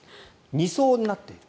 ２層になっている。